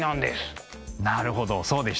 なるほどそうでした。